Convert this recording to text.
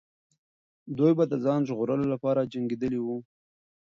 دوی به د ځان ژغورلو لپاره جنګېدلې وو.